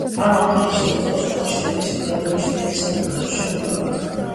ამან ხელი შეუწყო, რკონში და მის მიდამოებში დიდ სამონასტრო მშენებლობას.